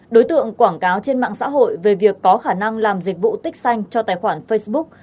đối tượng quảng cáo trên mạng xã hội về việc có khả năng làm dịch vụ tích xanh cho tài khoản facebook